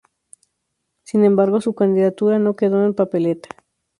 Sin embargo su candidatura no quedo en la papeleta.